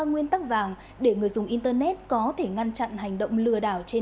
nguyên tắc ba dừng lại không gửi